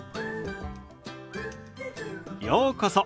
ようこそ。